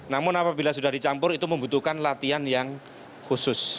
namun apabila sudah dicampur itu membutuhkan latihan yang khusus